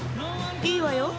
いいわよ